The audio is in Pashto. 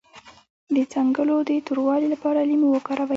د څنګلو د توروالي لپاره لیمو وکاروئ